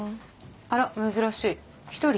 あら珍しい１人？